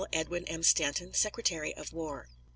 EDWIN M. STANTON, Secretary of War.